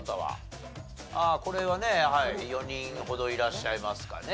ああこれはねはい４人ほどいらっしゃいますかね。